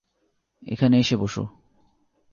এখানে এসে বস।